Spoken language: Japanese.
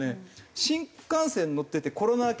新幹線乗っててコロナ明けで。